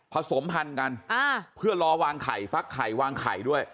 สมพันธุ์กันเพื่อรอวางไข่ฟักไข่วางไข่ด้วย